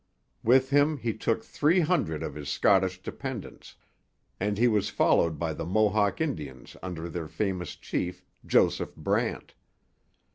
With him he took three hundred of his Scottish dependants; and he was followed by the Mohawk Indians under their famous chief, Joseph Brant.